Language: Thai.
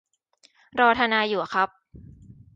รอทนายอยู่ครับ